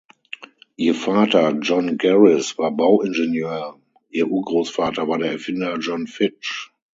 Ihr Vater John Garis war Bauingenieur, ihr Urgroßvater war der Erfinder John Fitch.